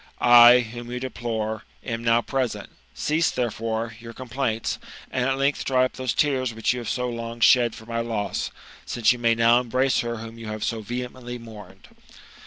I, whom you deplore, am now present ; cease, therefore, your com plaints, and at length dry up those tears which you have so long shed for my loss, since you may now embrace her whom you have so vehemently mourned."